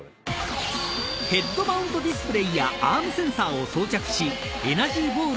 ［ヘッドマウントディスプレーやアームセンサーを装着しエナジー